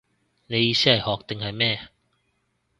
你意思係學定係咩